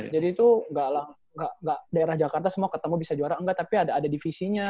jadi tuh ga lah daerah jakarta semua ketemu bisa juara engga tapi ada divisinya